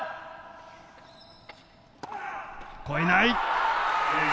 越えない！